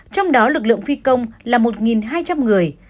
trong đó lực lượng phi công là một hai trăm linh người